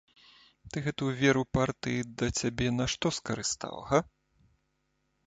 Ты гэтую веру партыі да цябе на што скарыстаў, га?